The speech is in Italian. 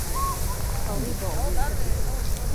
Tori Bowie